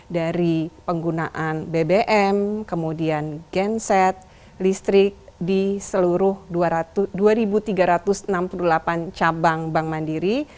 dari penggunaan bbm kemudian genset listrik di seluruh dua tiga ratus enam puluh delapan cabang bank mandiri